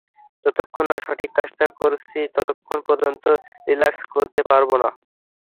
যতক্ষণ না সঠিক কাজটা করছি ততক্ষণ পযর্ন্ত রিলাক্স করতে পারব না।